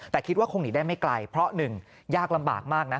แต่คิดว่าคงหนีได้ไม่ไกลเพราะหนึ่งยากลำบากมากนะ